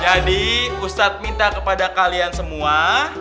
jadi ustaz minta kepada kalian semua